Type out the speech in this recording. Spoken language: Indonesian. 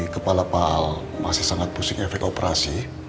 kepala pak al masih sangat pusing efek operasi